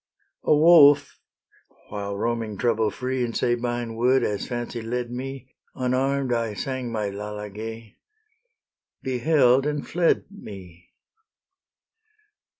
A wolf, while roaming trouble free In Sabine wood, as fancy led me, Unarm'd I sang my Lalage, Beheld, and fled me.